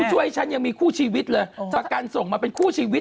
ช่วยฉันยังมีคู่ชีวิตเลยประกันส่งมาเป็นคู่ชีวิต